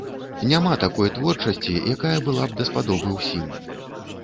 Няма такой творчасці, якая была б даспадобы ўсім.